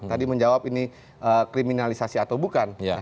tadi menjawab ini kriminalisasi atau bukan